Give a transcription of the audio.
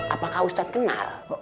apakah ustadz kenal